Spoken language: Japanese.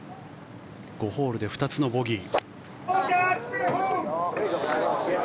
５ホールで２つのボギー。